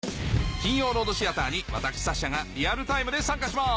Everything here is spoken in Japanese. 金曜ロードシアターに私・サッシャがリアルタイムで参加します！